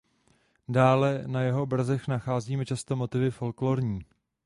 Dále na jeho obrazech nacházíme často motivy folklórní.